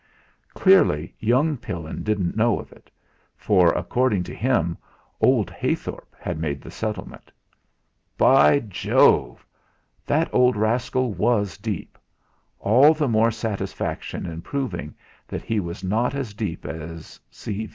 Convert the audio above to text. Clearly young Pillin didn't know of it; for, according to him, old Heythorp had made the settlement. By Jove! That old rascal was deep all the more satisfaction in proving that he was not as deep as C.